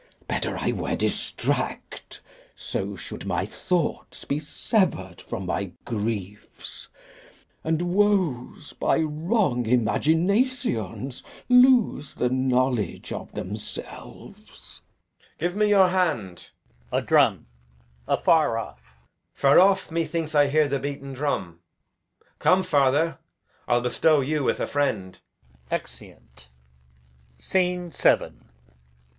Better I were distract. So should my thoughts be sever'd from my griefs, And woes by wrong imaginations lose The knowledge of themselves. A drum afar off. Edg. Give me your hand. Far off methinks I hear the beaten drum. Come, father, I'll bestow you with a friend. Exeunt. Scene VII.